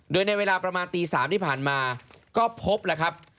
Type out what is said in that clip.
โดยในเวลาประมาณตี๓ที่ผ่านมาก็พบแล้วครับ